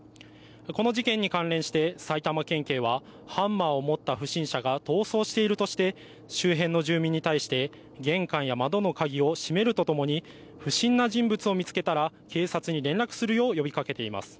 この事件に関連して埼玉県警はハンマーを持った不審者が逃走しているとして周辺の住民に対して玄関や窓の鍵を閉めるとともに不審な人物を見つけたら警察に連絡するよう呼びかけています。